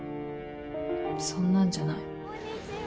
そんなんじゃない。